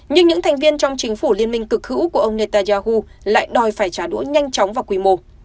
nhưng những thành viên trong chính phủ liên minh cực hữu của ông netanyahu lại đòi phải trả đũa nhanh chóng và quy mô